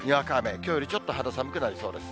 きょうよりちょっと肌寒くなりそうです。